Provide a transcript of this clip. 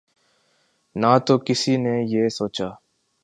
نہ تو کسی نے یہ سوچا